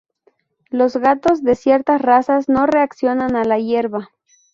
Los gatos de ciertas razas no reaccionan a la hierba.